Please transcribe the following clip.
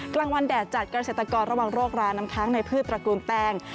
กลางวันแดดจัดเกษตรกรระวังโรคราน้ำค้างในพืชตระกูลแป้ง